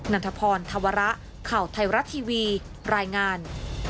ันทพรธวระข่าวไทยรัฐทีวีรายงาน